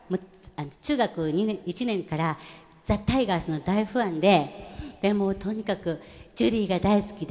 中学１年からザ・タイガースの大ファンでもうとにかくジュリーが大好きで。